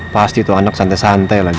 pasti tuh anak santai santai lagi